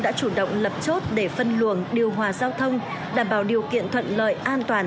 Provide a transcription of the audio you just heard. đã chủ động lập chốt để phân luồng điều hòa giao thông đảm bảo điều kiện thuận lợi an toàn